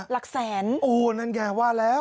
หลักแสนโอ้นั่นไงว่าแล้ว